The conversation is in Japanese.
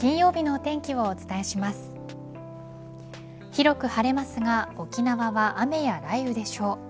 広く晴れますが沖縄は雨や雷雨でしょう。